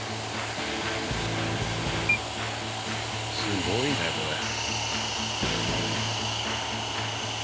すごいねこれ。